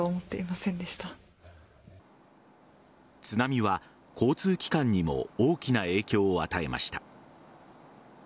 津波は交通機関にも大きな影響を与えました。